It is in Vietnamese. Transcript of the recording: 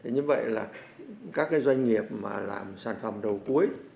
như vậy là các doanh nghiệp mà làm sản phẩm đầu cuối